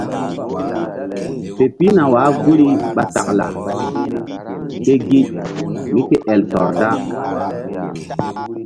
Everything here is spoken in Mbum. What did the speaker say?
Fe pihna wah guri ɓa taklaa ke gi mí ke el tɔr da.